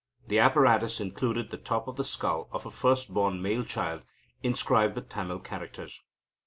The apparatus included the top of the skull of a first born male child inscribed with Tamil characters.